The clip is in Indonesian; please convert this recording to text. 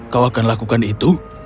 kau akan lakukan itu